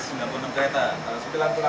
ini dibagi dalam enam belas kereta